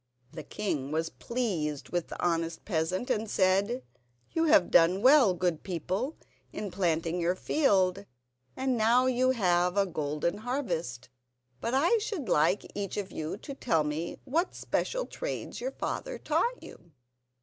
The king was pleased with the honest peasant, and said: "You have done well, good people, in planting your field, and now you have a golden harvest. But I should like each of you to tell me what special trades your father taught you."